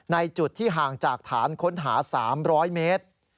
ในจุดที่ห่างจากฐานค้นหา๓๐๐เมตร